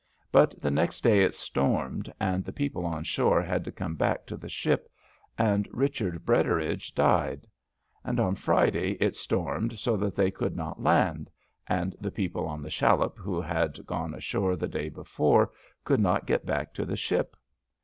But the next day it stormed, and the people on shore had to come back to the ship, and Richard Britteridge died. And Friday it stormed so that they could not land, and the people on the shallop who had gone ashore the day before could not get back to the ship.